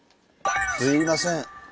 すいません。